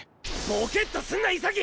ボケッとすんな潔！